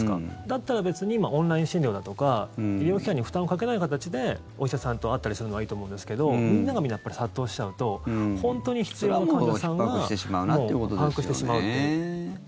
だったら、別に今、オンライン診療だとか医療機関に負担をかけない形でお医者さんと会ったりするのはいいと思うんですけどみんながみんな殺到しちゃうと本当に必要な患者さんがもうパンクしてしまうっていう。